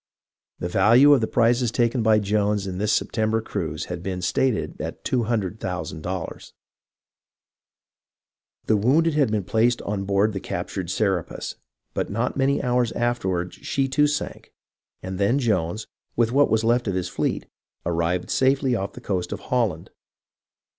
The value of the prizes taken by Jones in this September cruise has been stated at $200,000. The wounded had been placed on board the captured Serapis, but not many hours afterward she too sank, and then Jones, with what was left of his fleet, arrived safely off the coast of Holland.